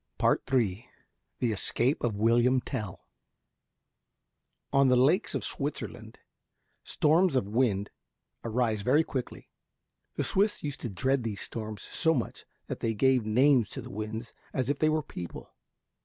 III THE ESCAPE OF WILLIAM TELL On the lakes of Switzerland storms of wind arise very quickly. The Swiss used to dread these storms so much that they gave names to the winds as if they were people.